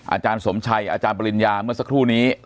อาจารย์สมชัยอาจารย์ปริญญาเมื่อสักครู่นี้